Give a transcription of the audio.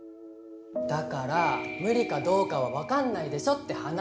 だから無理かどうかは分かんないでしょって話。